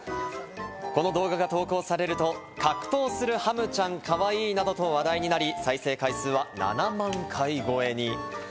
この動画が投稿されると、「格闘するハムちゃん、かわいい」などと話題になり、再生回数は７万回超えに。